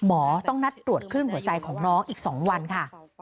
หมอต้องนัดตรวจคลื่นหัวใจของน้องอีก๒วันค่ะ